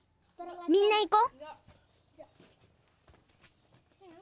みんな行こ。